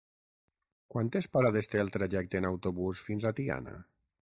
Quantes parades té el trajecte en autobús fins a Tiana?